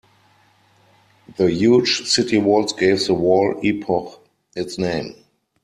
The huge city walls gave the wall epoch its name.